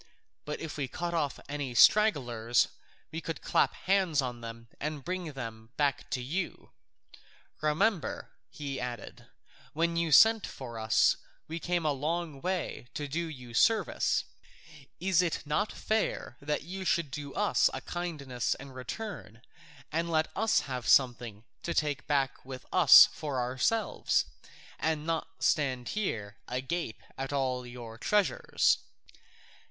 But if we cut off any stragglers, we could clap hands on them and bring them back to you. Remember," he added, "when you sent for us, we came a long way to do you service; is it not fair that you should do us a kindness in return, and let us have something to take back with us for ourselves, and not stand here agape at all your treasures?"